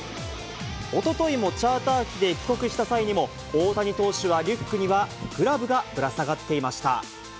おとといもチャーター機で帰国した際にも、大谷投手のリュックにはグラブがぶら下がっていました。